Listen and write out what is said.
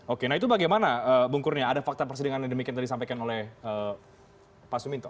oke nah itu bagaimana bung kurnia ada fakta persidangan yang demikian tadi sampaikan oleh pak suminto